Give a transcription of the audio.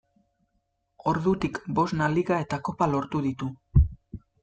Ordutik bosna Liga eta Kopa lortu ditu.